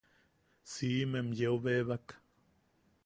Siimem yeu bebak.